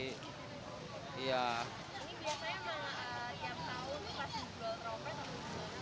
ini biasanya mah tiap tahun pas jual trompet atau